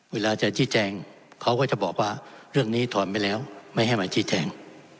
เวลาจะชี้แจงเขาก็จะบอกว่าเรื่องนี้ถอนไปแล้วไม่ให้มาชี้แจง